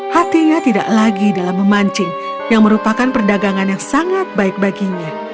hatinya tidak lagi dalam memancing yang merupakan perdagangan yang sangat baik baginya